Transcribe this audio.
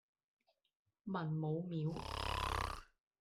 文武廟